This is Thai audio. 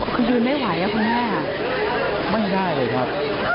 คือยืนไม่ไหวอะคุณแม่ไม่ได้เลยครับ